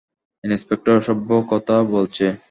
Inspector অসভ্য কথা বলছে।